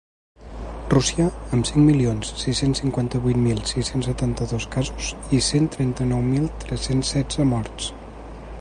Rússia, amb cinc milions sis-cents cinquanta-vuit mil sis-cents setanta-dos casos i cent trenta-nou mil tres-cents setze morts.